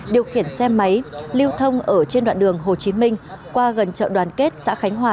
điều khiển xe máy lưu thông ở trên đoạn đường hồ chí minh qua gần chợ đoàn kết xã khánh hòa